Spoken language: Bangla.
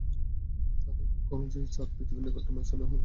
তাঁদের ব্যাখ্যা অনুযায়ী, চাঁদ পৃথিবীর নিকটতম স্থানে এলেই সুপারমুন দেখা যায়।